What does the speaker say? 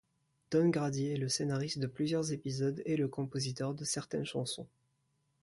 Don Grady est le scénariste de plusieurs épisodes et le compositeur de certaines chansons.